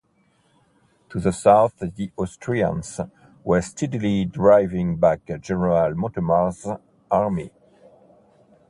To the south the Austrians were steadily driving back General Montemar's army.